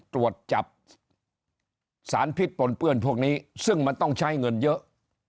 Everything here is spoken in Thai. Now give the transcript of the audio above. ตรวจจับสารพิษปนเปื้อนพวกนี้ซึ่งมันต้องใช้เงินเยอะ